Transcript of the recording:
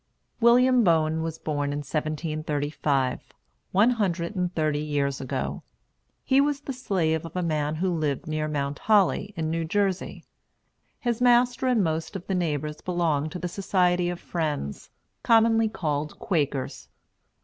William Boen was born in 1735, one hundred and thirty years ago. He was the slave of a man who lived near Mount Holly, in New Jersey. His master and most of the neighbors belonged to the Society of Friends, commonly called Quakers.